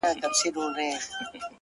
دا درې جامونـه پـه واوښـتـل؛